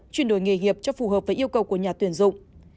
chuyển đổi nghề nghiệp cho phù hợp với yêu cầu của nhà tuyển dụng